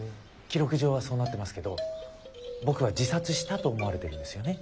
記録上はそうなってますけど僕は自殺したと思われてるんですよね？